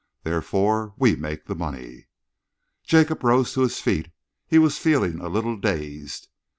Therefore, we make the money." Jacob rose to his feet. He was feeling a little dazed.